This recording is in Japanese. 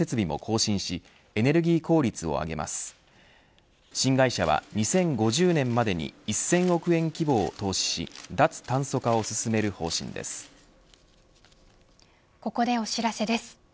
新会社は２０５０年までに１０００億円規模を投資しここでお知らせです。